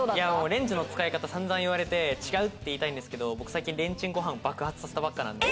レンジの使い方散々言われて違うって言いたいんですけど僕最近レンチンご飯爆発させたばっかなんで。